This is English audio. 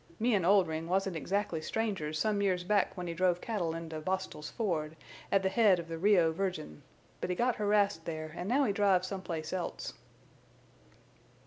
"Me an' Oldrin' wasn't exactly strangers some years back when he drove cattle into Bostil's Ford, at the head of the Rio Virgin. But he got harassed there an' now he drives some place else."